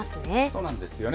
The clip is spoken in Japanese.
そうなんですよね。